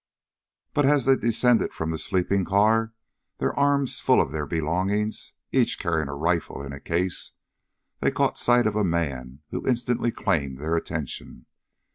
But as they descended from the sleeping car, their arms full of their belongings, each carrying a rifle in a case, they caught sight of a man who instantly claimed their attention.